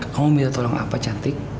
kamu minta tolong apa cantik